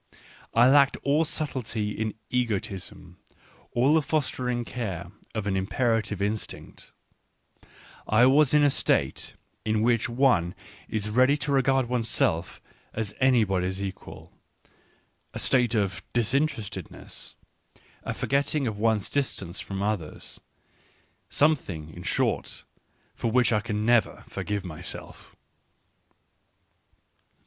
I lacked all subtlety in egoism, all the fostering care of an imperative instinct ; I was in a state in which one is ready to regard one's self as anybody's equal, a state of " disinterestedness," a forgetting of one's distance from others — something, in short, for which I can never forgive myself.